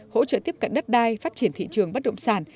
hỗ trợ tiếp cận đất đai phát triển thị trường bất động sản